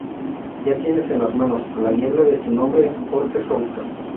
Ya tienes En las manos, la niebla de tu nombre, Jorge Souza.